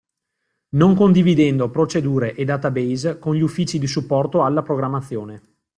Non condividendo procedure e database con gli uffici di supporto alla programmazione.